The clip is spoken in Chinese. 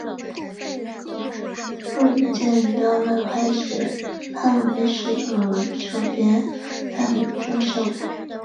陆建章乃开始拉拢并试图收编樊钟秀部。